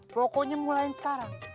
pokoknya mulain sekarang